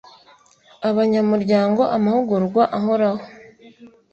abanyamuryango amahugurwa ahoraho